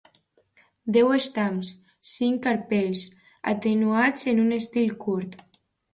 Deu estams, cinc carpels, atenuats en un estil curt.